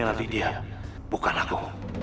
nanti dia bukan aku